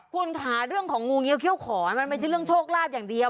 คุณค่ะเรื่องของงูเงี้เขี้ยขอนมันไม่ใช่เรื่องโชคลาภอย่างเดียว